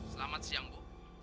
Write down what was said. selamat siang bu